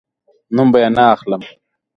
نوم به یې نه اخلم